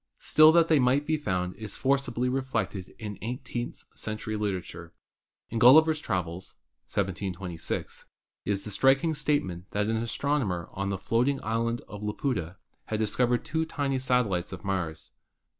Still that they might be found is forcibly reflected in eighteenth century literature. In "Gulliver's Travels" (1726) is the striking statement that an astronomer on the floating island of Laputa had discovered two tiny satellites of Mars.